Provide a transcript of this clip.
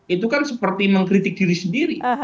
itu kan seperti mengkritik diri sendiri